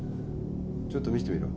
ちょっと見せてみろ。